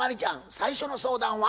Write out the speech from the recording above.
最初の相談は？